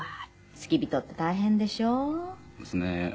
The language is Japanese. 付き人って大変でしょ？ですね。